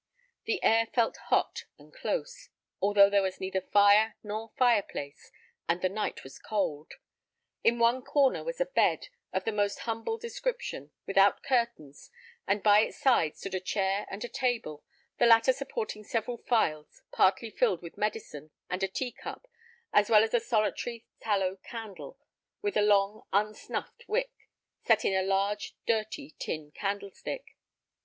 The air felt hot and close, although there was neither fire nor fire place, and the night was cold. In one corner was a bed, of the most humble description, without curtains, and by its side stood a chair and a table, the latter supporting several phials partly filled with medicine, and a tea cup, as well as a solitary tallow candle, with a long, unsnuffed wick, set in a large, dirty, tin candlestick.